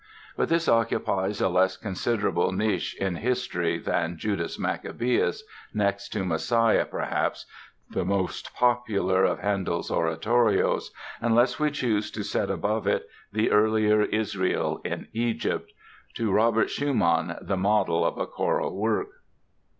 But this occupies a less considerable niche in history than "Judas Maccabaeus", next to "Messiah" perhaps the most popular of Handel's oratorios, unless we choose to set above it the earlier "Israel in Egypt"—to Robert Schumann "the model of a choral work."